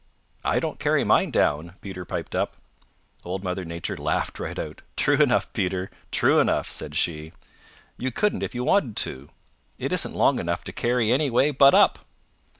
"I don't carry mine down," Peter piped up. Old Mother Nature laughed right out. "True enough, Peter, true enough," said she. "You couldn't if you wanted to. It isn't long enough to carry any way but up.